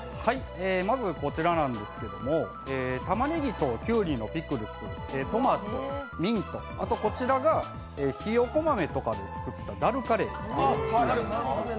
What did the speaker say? まず、こちら、たまねぎときゅうりのピクルストマト、ミント、あとこちらがひよこ豆とかで作ったダルカレーになります。